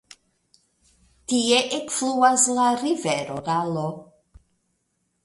Tie ekfluas la rivero Gallo.